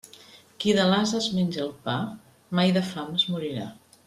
Qui de l'ase es menja el pa, mai de fam es morirà.